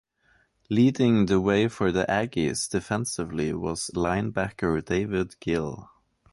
Leading the way for the Aggies defensively was linebacker David Gill.